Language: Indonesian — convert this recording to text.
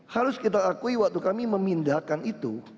harus kita akui waktu kami memindahkan itu